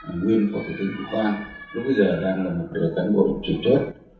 nguyên phật thư quang lúc bây giờ đang là một người cán bộ chủ chốt